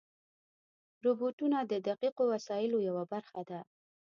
روبوټونه د دقیقو وسایلو یوه برخه دي.